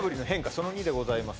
その２でございます